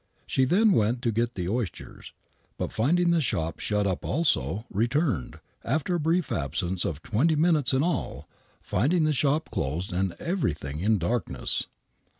She then went to get the oysters; but, finding the Iphop shut up also, returned, after an absence of twenty minutes in all, finding the shop closed and everything in darkness.